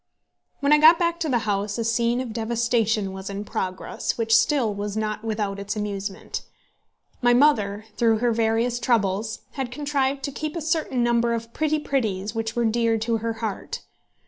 When I got back to the house a scene of devastation was in progress, which still was not without its amusement. My mother, through her various troubles, had contrived to keep a certain number of pretty pretties which were dear to her heart.